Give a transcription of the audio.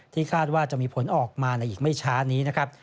คาดว่าจะมีผลออกมาในอีกไม่ช้านี้นะครับ